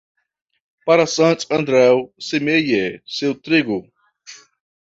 Para Sant Andreu, semeie seu trigo.